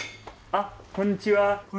あっこんにちは。